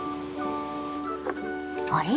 あれ！？